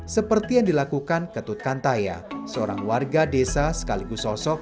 seperti yang dilakukan ketut kantaya seorang warga desa sekaligus sosok